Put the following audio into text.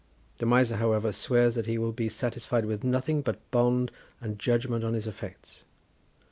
The Miser, however, swears that he will be satisfied with nothing but bond and judgment on his effects.